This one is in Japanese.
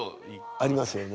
ありますよね。